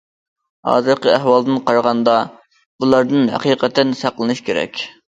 ھازىرقى ئەھۋالدىن قارىغاندا بۇلاردىن ھەقىقەتەن ساقلىنىش كېرەك.